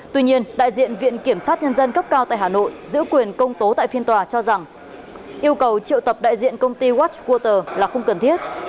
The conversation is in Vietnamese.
tuy nhiên đại diện viện kiểm sát nhân dân cấp cao tại hà nội giữ quyền công tố tại phiên tòa cho rằng yêu cầu triệu tập đại diện công ty westoter là không cần thiết